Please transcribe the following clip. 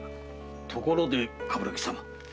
ところで鏑木様。